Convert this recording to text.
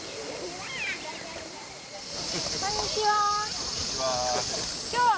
こんにちは。